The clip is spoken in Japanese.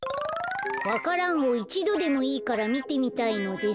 「わか蘭をいちどでもいいからみてみたいのです。